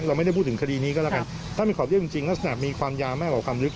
เราไม่ได้พูดถึงคดีนี้ก็แล้วกันถ้ามีขอบเรียบจริงลักษณะมีความยาวมากกว่าความลึก